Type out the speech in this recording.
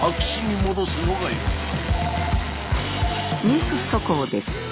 「ニュース速報です。